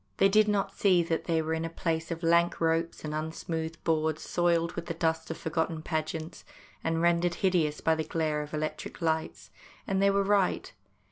They did not see that they were in a place of lank ropes and unsmoothed boards soiled with the dust of forgotten pageants and rendered hideous by the glare of electric lights ; and they were right.